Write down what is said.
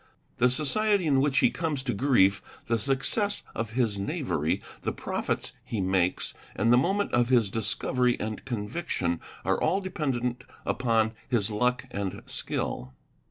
'The society in which he comes to grief, the success of his knavery, the profits he makes, and the moment of his 'discovery and conviction are all dependant upon his luck and his skill.